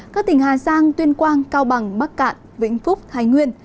các tỉnh hà giang tuyên quang cao bằng bắc cạn vĩnh phúc thái nguyên